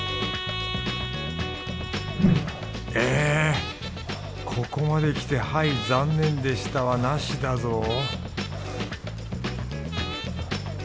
えここまで来てはい残念でしたはなしだぞ